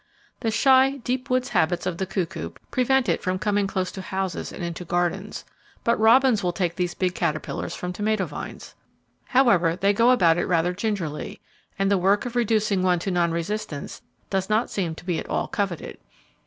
The shy, deep wood habits of the cuckoo prevent it from coming close houses and into gardens, but robins will take these big caterpillars from tomato vines. However, they go about it rather gingerly, and the work of reducing one to non resistance does not seem to be at all coveted.